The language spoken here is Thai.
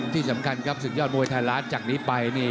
ที่สำคัญครับศึกยอดมวยไทยรัฐจากนี้ไปนี่